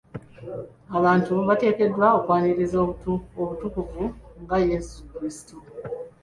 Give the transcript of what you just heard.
Abantu bateekeddwa okwaniriza obutukuvu nga Yesu kulisitu.